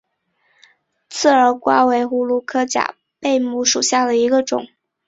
刺儿瓜为葫芦科假贝母属下的一个种。